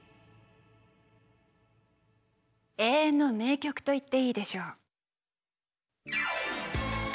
永遠の名曲と言っていいでしょう。